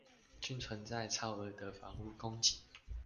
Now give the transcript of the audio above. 均存在超額的房屋供給